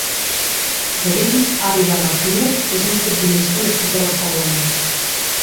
David Ávila Martínez és un futbolista nascut a Barcelona.